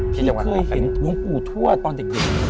ผมเคยเห็นหลวงปู่ทั่วตอนเด็ก